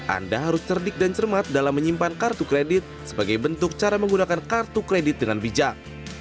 anda harus cerdik dan cermat dalam menyimpan kartu kredit sebagai bentuk cara menggunakan kartu kredit dengan bijak